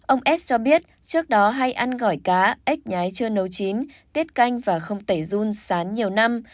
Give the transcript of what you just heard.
ông s cho biết trước đó hay ăn gỏi cá ếch nhái chưa nấu chín tiết canh và không tẩy run sán nhiều năm